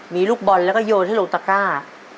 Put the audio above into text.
มีลูกบอลแล้วก็โยนให้ลงตะกร้า